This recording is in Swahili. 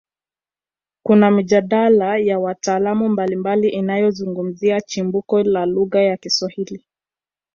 Kuna mijadala ya wataalamu mbalimbali inayozungumzia chimbuko la lugha ya Kiswahili